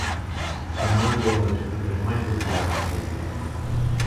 A manga é uma das frutas mais populares do Brasil.